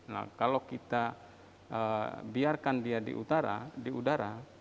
nah kalau kita biarkan dia di udara